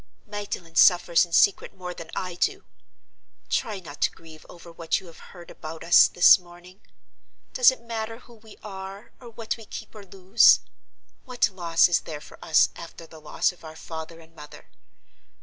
"Magdalen suffers in secret more than I do. Try not to grieve over what you have heard about us this morning. Does it matter who we are, or what we keep or lose? What loss is there for us after the loss of our father and mother?